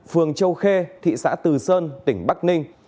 phường châu khê thị xã từ sơn tỉnh bắc ninh